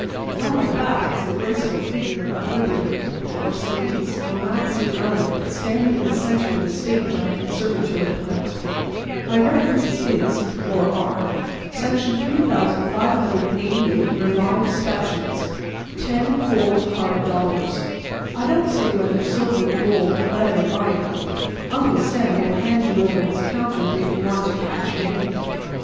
On my back is the graceful figure of Liberty or Ceres or Maxine Elliot standing in the centre of the stage on a conservatory plant. My references is—or are—Section 3,588, Revised Statutes. Ten cold, hard dollars—I don't say whether silver, gold, lead or iron—Uncle Sam will hand you over his counter if you want to cash me in.